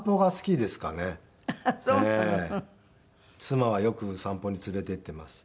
妻はよく散歩に連れて行ってます。